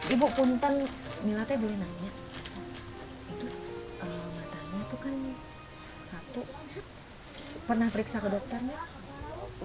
ibu punten milate boleh nanya itu kalau matanya itu kan satu pernah periksa ke dokternya